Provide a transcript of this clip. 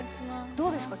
どうですか？